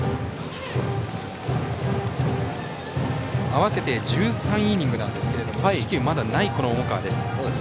合わせて１３イニングなんですが四死球まだない重川です。